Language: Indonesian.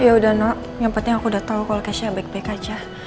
ya udah nak yang penting aku udah tau kalau cashnya baik baik aja